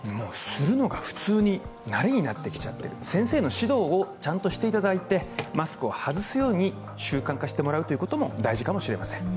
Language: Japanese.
するのが普通に、慣れになってきちゃっている、先生の指導をちゃんとしていただいてマスクを外すように習慣化してもらうことも大事かもしれません。